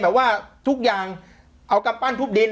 แต่ว่าทุกอย่างเอากำปั้นทุบดิน